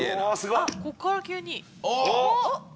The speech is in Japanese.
あっここから急に。